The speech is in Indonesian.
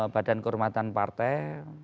badan kehormatan partai